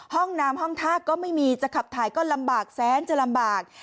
ห้องน้ำห้องท่าก็ไม่มีจะขับถ่ายก็ลำบากแสนจะลำบาก